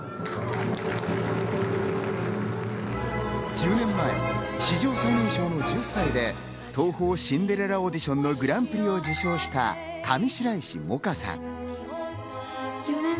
１０年前、史上最年少の１０歳で東宝シンデレラオーディションのグランプリを受賞した上白石萌歌さん。